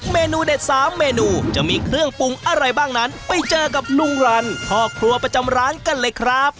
เมนูเด็ดสามเมนูจะมีเครื่องปรุงอะไรบ้างนั้นไปเจอกับลุงรันพ่อครัวประจำร้านกันเลยครับ